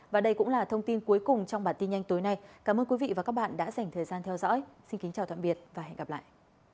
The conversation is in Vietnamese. và đây cũng là thông tin cuối cùng trong bản tin nhanh tối nay cảm ơn quý vị và các bạn đã dành thời gian theo dõi xin kính chào tạm biệt và hẹn gặp lại